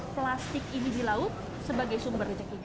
plastik ini di laut sebagai sumber rejeki